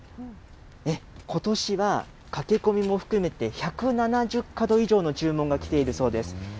ことしは、駆け込みも含めて１７０門以上の注文が来ているそうです。